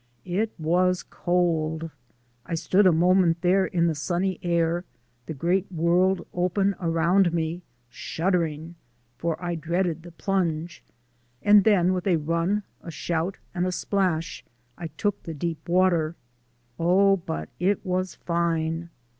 It was cold! I stood a moment there in the sunny air, the great world open around me, shuddering, for I dreaded the plunge and then with a run, a shout and a splash I took the deep water. Oh, but it was fine!